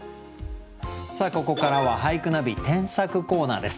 ここからは「俳句ナビ添削コーナー」です。